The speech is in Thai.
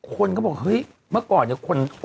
คนก็บอกเฮ้ยเมื่อก่อนเนี่ยคน